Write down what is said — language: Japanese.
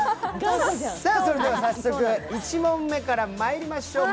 早速、１問目からまいりましょう。